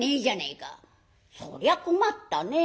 「そりゃ困ったね。